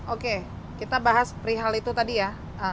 oke kita bahas perihal itu tadi ya